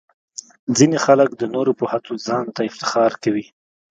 ځینې خلک د نورو په هڅو ځان ته افتخار کوي.